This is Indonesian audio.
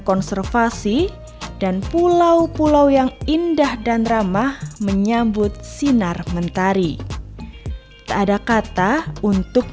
konservasi dan pulau pulau yang indah dan ramah menyambut sinar mentari tak ada kata untuk